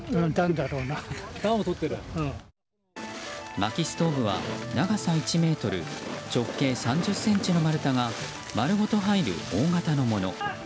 まきストーブは長さ１ｍ、直径３０ｃｍの丸太が丸ごと入る大型のもの。